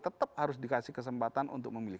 tetap harus dikasih kesempatan untuk memilih